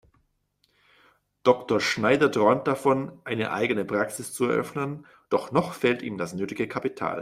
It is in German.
Dr. Schneider träumt davon, eine eigene Praxis zu eröffnen, doch noch fehlt ihm das nötige Kapital.